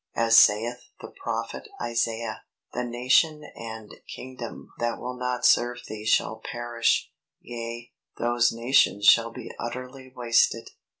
As saith the Prophet Isaiah "The nation and kingdom that will not serve thee shall perish; yea, those nations shall be utterly wasted."